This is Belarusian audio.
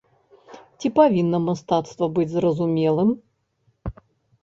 Ці павінна мастацтва быць зразумелым?